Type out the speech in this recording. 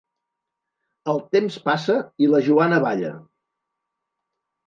El temps passa i la Joana balla.